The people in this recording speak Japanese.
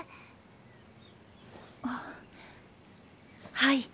はい。